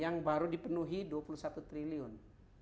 yang baru dipenuhi dua puluh satu triliun